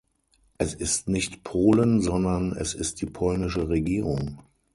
Es ist nicht Polen, sondern es ist die polnische Regierung.